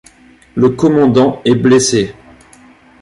Le commandant est blessé.